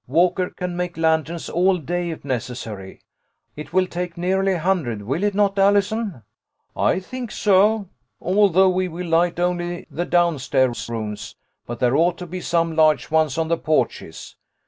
Walker can make lanterns all day if necessary. It will take nearly a hundred, will it not, Allison ?"" I think so, although we will light only the down stairs rooms, but there ought to be some large ones on the porches.